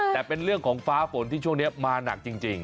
แต่เป็นเรื่องของฟ้าฝนที่ช่วงนี้มาหนักจริง